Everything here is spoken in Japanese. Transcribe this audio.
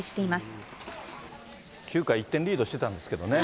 ９回、１点リードしてたんですけどね。